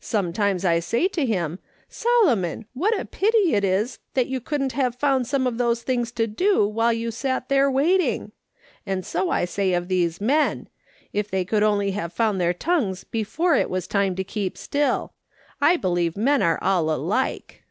Some times I say to him, Solomon, what a pity it is that you couldn't have found some of those things to do while you sat there waiting. And so I say of these men ; if they could only have found their tongues before it was time to. keep still. I believe men are all alike.'